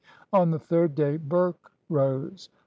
On the third day Burke rose.